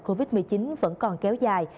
covid một mươi chín vẫn còn kéo dài